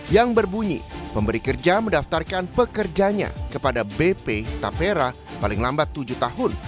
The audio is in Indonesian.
yang berbunyi pemberi kerja mendaftarkan pekerjanya kepada bp tapera paling lambat tujuh tahun